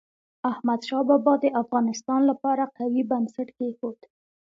احمد شاه بابا د افغانستان لپاره قوي بنسټ کېښود.